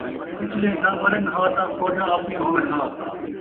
پچھلے ناں مرن ہا تاں فوجاں آپݨیاں ہوون ہا